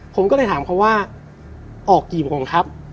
ผมก็เลยถามเขาว่าออกกี่โมงครับ